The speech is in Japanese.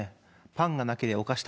パンがなけりゃお菓子